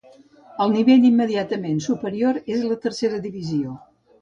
El nivell immediatament superior és la Tercera Divisió.